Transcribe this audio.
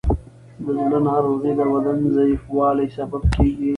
د زړه ناروغۍ د بدن ضعیفوالی سبب کېږي.